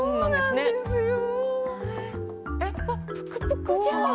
そうなんですよ。